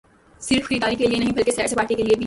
صرف خریداری کیلئے نہیں بلکہ سیر سپاٹے کیلئے بھی۔